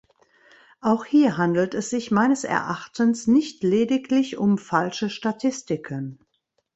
Auch hier handelt es sich meines Erachtens nicht lediglich um falsche Statistiken.